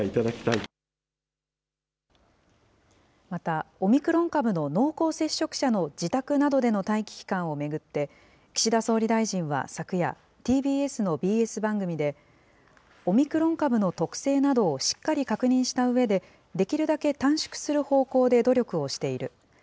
また、オミクロン株の濃厚接触者の自宅などでの待機期間を巡って、岸田総理大臣は、昨夜、ＴＢＳのＢＳ番組で、オミクロン株の特性などをしっかり確認したうえで、できるだけ短縮する方向で努力をしている。